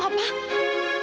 ya allah papa